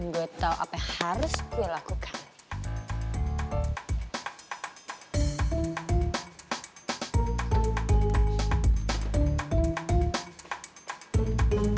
gue tahu apa yang harus gue lakukan